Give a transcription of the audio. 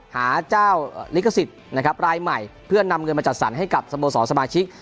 หาเจ้าลิขสิทธิ์นะครับรายใหม่เพื่อนำเงินมาจัดสรรให้กับสโมสรสมาชิก